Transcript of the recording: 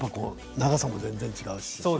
長さも全然違うし。